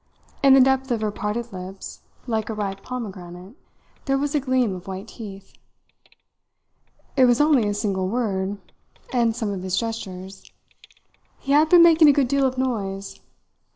In the depth of her parted lips, like a ripe pomegranate, there was a gleam of white teeth. "It was only a single word and some of his gestures. He had been making a good deal of noise.